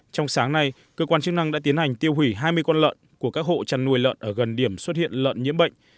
trong sáng nay cơ quan chức năng đã tiến hành tiêu hủy hai mươi con lợn của các hộ chăn nuôi lợn ở gần điểm xuất hiện lợn nhiễm bệnh